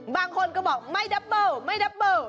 บางคนก็บอกไม่ดับเบอร์ไม่ดับเบอร์